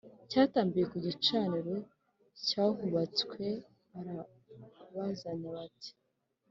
Cyatambiwe ku gicaniro cyahubatswe barabazanya bati